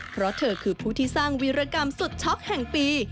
เพราะเธอคือผู้ที่สร้างวิรกรรมสุดช็อกแห่งปี